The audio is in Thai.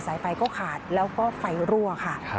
ไฟก็ขาดแล้วก็ไฟรั่วค่ะ